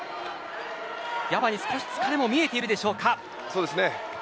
ギャバに少し疲れも見えているでしょうか。